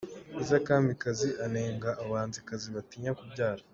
Liza Kamikazi anenga abahanzikazi batinya kubyara